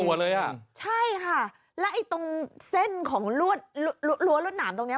โอ้โหดูท่ามกะโหแล้วดูท่องไล่ตรงเส้นของรั้วรวดหนาดนี้